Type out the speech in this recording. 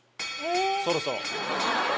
そろそろ。